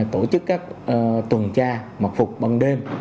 tổ chức các tuần tra mặc phục bằng đêm